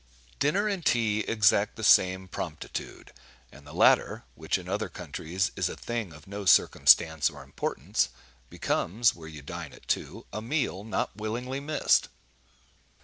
Dinner and tea exact the same promptitude; and the latter, which in other countries is a thing of no circumstance or importance, becomes, where you dine at two, a meal not willingly missed.